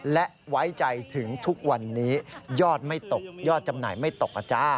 และไว้ใจถึงทุกวันนี้ยอดไม่ตกยอดจำหน่ายไม่ตกอ่ะจ้า